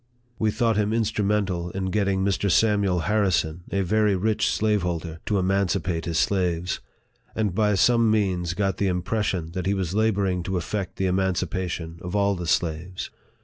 We thought him instrumental in get ting Mr. Samuel Harrison, a very rich slaveholder, to emancipate his slaves ; and by some means got the im pression that he was laboring to effect the emancipa tion of all the slaves.